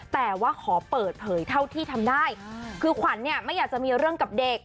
แต่ว่าขอเปิดเผยเท่าที่ทำได้คือขวัญเนี่ยไม่อยากจะมีเรื่องกับเด็ก